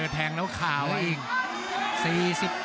แทงแล้วก็คราวนอย่างนี้